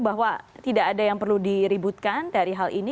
bahwa tidak ada yang perlu diributkan dari hal ini